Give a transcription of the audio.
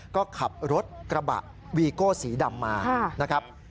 ก็ขับรถกระบะวีโก้สีดำมานะครับ